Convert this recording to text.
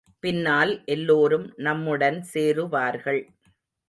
பின்னால் எல்லோரும் நம்முடன் சேருவார்கள்.